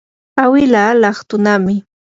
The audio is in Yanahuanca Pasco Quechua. awilaa laqtunami.